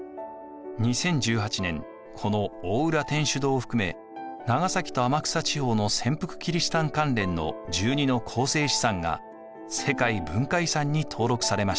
２０１８年この大浦天主堂を含め長崎と天草地方の潜伏キリシタン関連の１２の構成資産が世界文化遺産に登録されました。